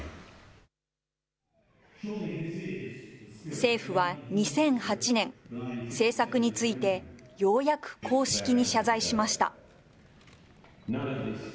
政府は２００８年、政策についてようやく公式に謝罪しました。